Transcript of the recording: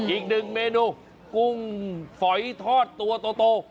อีกหนึ่งเมนูกุ้งฝอยทอดตัวโต